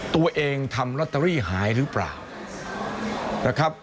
ตัวเองทำลอตเตอรี่หายหรือเปล่านะครับ